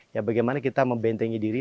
ya bagaimana kita membentengi diri